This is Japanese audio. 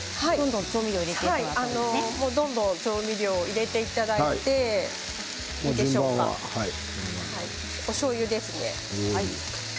そこにどんどん調味料を入れていただいておしょうゆです。